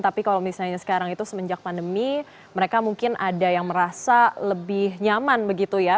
tapi kalau misalnya sekarang itu semenjak pandemi mereka mungkin ada yang merasa lebih nyaman begitu ya